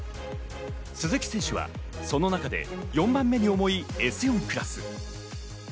鈴木選手はその中で４番目に重いＳ４クラス。